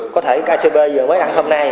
có thể icp giờ mới đăng hôm nay